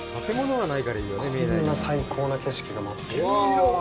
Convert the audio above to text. こんな最高な景色が待ってるとは。